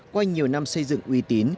qua nhiều năm xây dựng uy tín